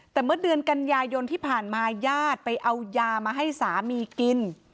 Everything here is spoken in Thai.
แต่เมื่อเดือนกันยายนที่ผ่านมาญาติไปเอายามาให้สามีกิน